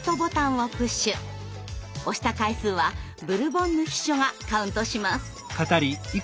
押した回数はブルボンヌ秘書がカウントします。